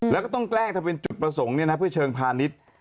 แล้วก็ต้องแกล้งเป็นจุดประสงค์เนี่ยนะครับเพื่อเชิงพาณิชย์